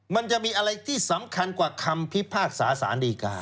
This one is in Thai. มันจะมีอะไรที่สำคัญกว่าคำพิพากษาสารดีกา